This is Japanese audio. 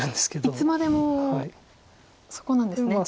いつまでもそこなんですね。